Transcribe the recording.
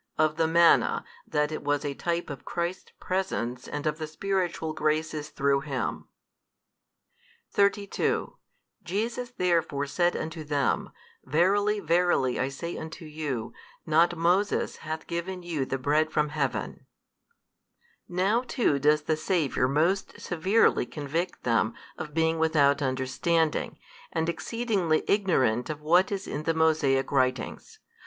Of the manna, that it was a type of Christ's Presence and of the spiritual graces through Him. 32 Jesus therefore said unto them, Verily, verily, I say unto you, not Moses hath given you the Bread from Heaven, Now too does the Saviour most severely convict them of being without understanding, and exceedingly ignorant of what is in the Mosaic writings.